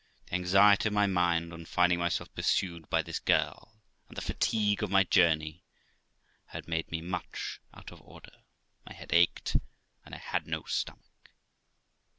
The anxiety of my mind, on finding myself pursued by this girl, and the fatigue of my journey, had made me much out of order, my head ached, and I had no stomach.